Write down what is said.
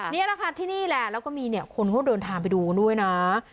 นี่นะคะที่นี่แหละแล้วก็มีคนก็เดินทางไปดูด้วยนะ